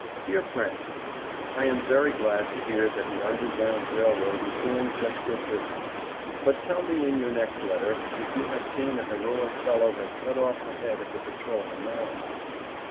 DEAR FRIEND: I am very glad to hear that the Underground Rail Road is doing such good business, but tell me in your next letter if you have seen the heroic fellow that cut off the head of the Patrol in Maryland.